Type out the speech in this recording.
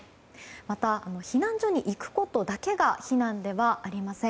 また避難所に行くことだけが避難ではありません。